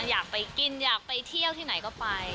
อยากไปกินอยากไปเที่ยวที่ไหนก็ไป